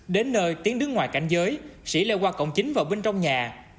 đến nơi tiến đứng ngoài cảnh giới sĩ leo qua cổng chính vào bên trong nhà